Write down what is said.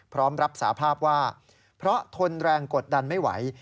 พร้อมรับสาภาพว่าเพราะทนแรงกดดันไม่ไหว